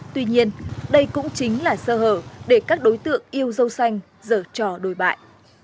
tuy nhiên đây cũng chính là sơ hở để các đối tượng yêu dâu xanh dở trò đồi bại